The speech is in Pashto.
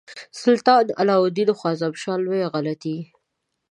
سلطان علاء الدین خوارزمشاه لویه غلطي.